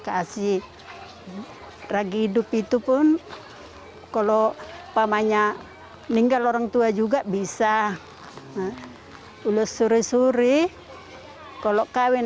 kasih lagi hidup itu pun kalau pamanya ninggal orang tua juga bisa ulas suri suri kalau kawin